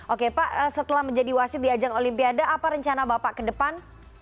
oke pak setelah menjadi wasit di ajang olimpiade apa rencana bapak ke depan